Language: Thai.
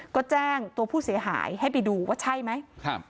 ก็แจ้งตัวผู้เสียหายให้ไปดูว่าใช่ไหมครับ